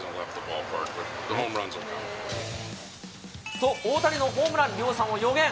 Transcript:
と、大谷のホームラン量産を予言。